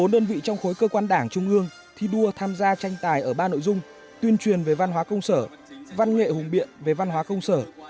một mươi đơn vị trong khối cơ quan đảng trung ương thi đua tham gia tranh tài ở ba nội dung tuyên truyền về văn hóa công sở văn nghệ hùng biện về văn hóa công sở